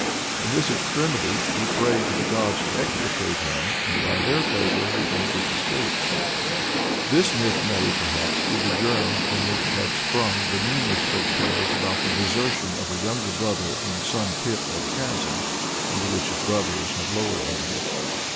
In this extremity he prayed to the gods to extricate him, and by their favor he made his escape." This myth may, perhaps, be the germ from which have sprung the numerous folk tales about the desertion of a younger brother in some pit or chasm, into which his brothers have lowered him.